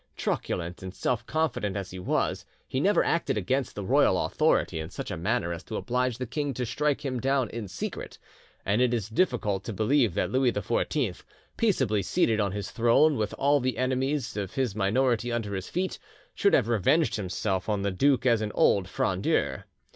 Truculent and self confident as he was, he never acted against the royal authority in such a manner as to oblige the king to strike him down in secret; and it is difficult to believe that Louis XIV, peaceably seated on his throne, with all the enemies of his minority under his feet, should have revenged himself on the duke as an old Frondeur.